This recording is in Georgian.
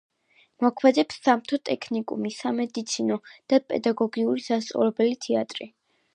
მოქმედებს სამთო ტექნიკუმი, სამედიცინო და პედაგოგიური სასწავლებელი, თეატრი.